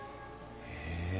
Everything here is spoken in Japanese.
へえ！